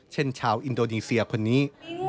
เช่นชาวอินโดนีเซียคนนี้